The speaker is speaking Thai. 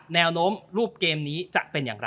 แนวโน้มรูปเกมนี้จะเป็นอย่างไร